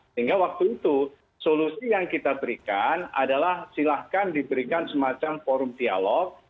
sehingga waktu itu solusi yang kita berikan adalah silahkan diberikan semacam forum dialog